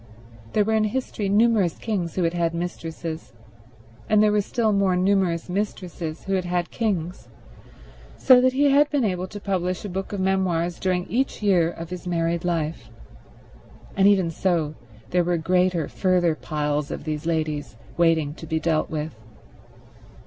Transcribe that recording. There were in history numerous kings who had had mistresses, and there were still more numerous mistresses who had had kings; so that he had been able to publish a book of memoirs during each year of his married life, and even so there were greater further piles of these ladies waiting to be dealt with.